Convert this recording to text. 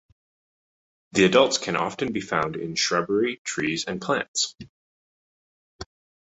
The adults can often be found in shrubbery, trees, and plants.